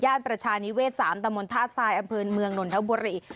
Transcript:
ญาติประชานิเวศ๓ตมทราศาสตร์อำเภินเมืองนนทบุรี